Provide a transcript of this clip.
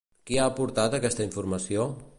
Qui ha aportat aquesta informació?